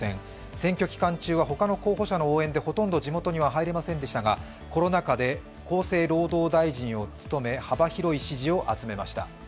選挙期間中は他の候補者の応援でほとんど地元には入れませんでしたがコロナ禍で、厚生労働大臣を務め、幅広い支持を集めました。